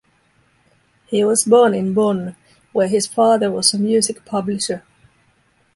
He was born in Bonn, where his father was a music publisher.